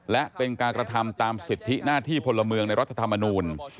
และเป็นการกระทำตามสิทธิหน้าที่พลเมืองในรัฐธรรมนูล